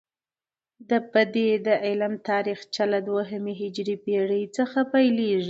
د بدیع د علم تاریخچه له دوهمې هجري پیړۍ څخه پيلیږي.